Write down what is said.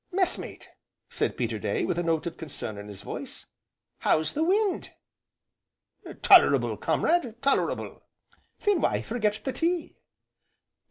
"Messmate," said Peterday, with a note of concern in his voice, "how's the wind?" "Tolerable, comrade, tolerable!" "Then why forget the tea?"